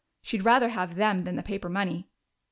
She'd rather have them than the paper money."